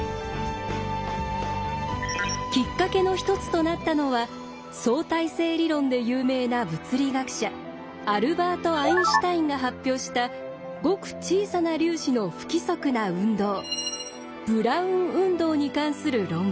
きっかけの１つとなったのは相対性理論で有名な物理学者アルバート・アインシュタインが発表したごく小さな粒子の不規則な運動「ブラウン運動」に関する論文です。